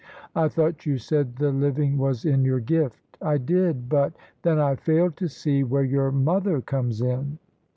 " I thought you said the living was in your gift." "I did, but "" Then I fail to see where your mother comes in."